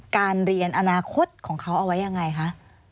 การเรียนอนาคตของเขาเอาไว้ยังไงคะ